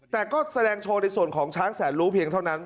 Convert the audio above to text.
แต่ก็แสดงโชว์ในส่วนของช้างแสนรู้เพียงเท่านั้น